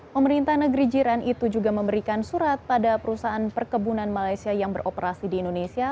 pemerintah negeri jiran itu juga memberikan surat pada perusahaan perkebunan malaysia yang beroperasi di indonesia